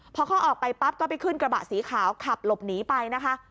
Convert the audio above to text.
พอเขาออกไปปั๊บก็ไปขึ้นกระบะสีขาวขับหลบหนีไปนะคะ